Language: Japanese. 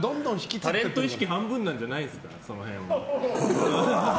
タレント意識半分なんじゃないですか。